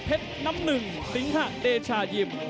น้ำหนึ่งสิงหะเดชายิม